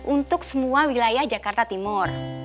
untuk semua wilayah jakarta timur